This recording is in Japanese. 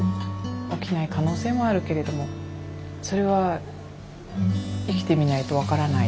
起きない可能性もあるけれどもそれは生きてみないと分からない。